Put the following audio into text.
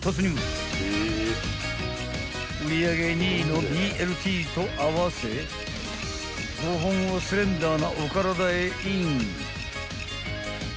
［売り上げ２位のＢＬＴと合わせ５本をスレンダーなお体へイン］